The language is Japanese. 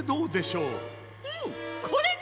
うむこれだ！